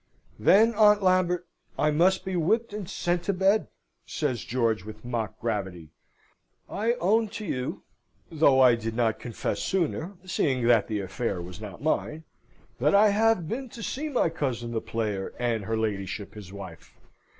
"Then, Aunt Lambert, I must be whipped and sent to bed," says George, with mock gravity. "I own to you (though I did not confess sooner, seeing that the affair was not mine) that I have been to see my cousin the player, and her ladyship his wife.